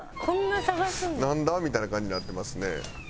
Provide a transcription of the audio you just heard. なんだ？みたいな感じになってますね。